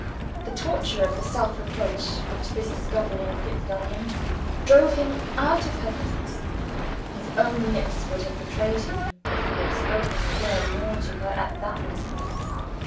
The torture of self reproach which this discovery inflicted on him, drove him out of her presence. His own lips would have betrayed him, if he had spoken a word more to her at that moment.